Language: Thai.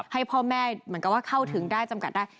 ให้พ่อแม่เหมือนกับว่าเข้าถึงได้จำกัดได้